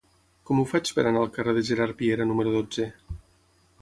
Com ho faig per anar al carrer de Gerard Piera número dotze?